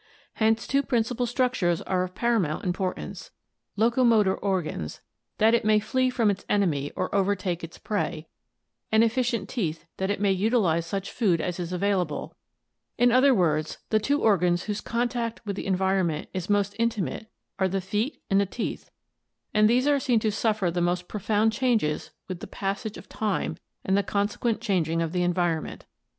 Hence two principal structures are of paramount importance: locomotor organs, that it may flee from its enemy or overtake its prey, and efficient teeth that it may utilize such food as is avail ORIGIN OF MAMMALS AND ARCHAIC MAMMALS 549 able. In other words, the two organs whose contact with the environment is most intimate are the feet and teeth, and these are seen to suffer the most profound changes with the passage of time and the consequent changing of the environment.